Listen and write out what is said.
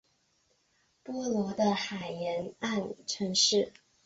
波罗的海沿岸城市。